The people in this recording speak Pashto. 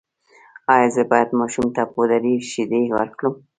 ایا زه باید ماشوم ته پوډري شیدې ورکړم؟